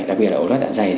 đặc biệt là ổ lết dạ dày